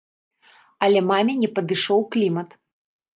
Але маме не падышоў клімат.